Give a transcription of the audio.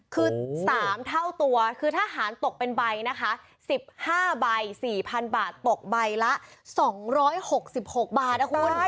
คือ๓เท่าตัวคือทหารตกเป็นใบนะคะ๑๕ใบ๔๐๐๐บาทตกใบละ๒๖๖บาทนะคุณ